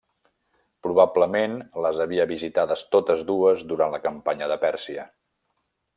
Probablement les havia visitades totes dues durant la campanya de Pèrsia.